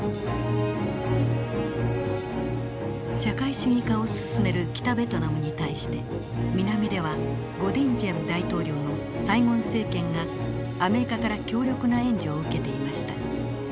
社会主義化を進める北ベトナムに対して南ではゴ・ディン・ジエム大統領のサイゴン政権がアメリカから強力な援助を受けていました。